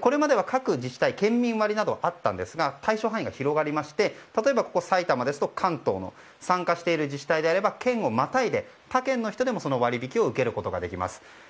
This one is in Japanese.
これまでは各自治体県民割などありましたが対象範囲が広がりまして埼玉ですと関東の参加している自治体ですと県をまたいで他県の人でも割引を受けることができます。